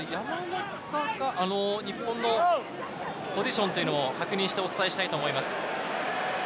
日本のポジションというのを確認してお伝えしたいと思います。